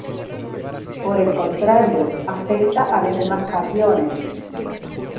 Por el contrario, afecta a los demás cationes.